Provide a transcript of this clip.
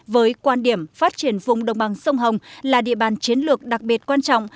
với quan điểm phát triển vùng đồng bằng sông hồng là địa bàn chiến lược đặc biệt quan trọng